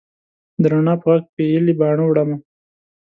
د رڼا په ږغ پیلې باڼه وړمه